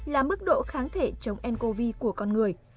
là mức độ kháng thể chống ncov của con người